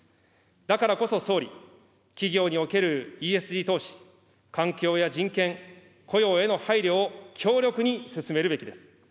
だからこそ、総理、企業におけるＥＳＧ投資、環境や人権、雇用への配慮を強力に進めるべきです。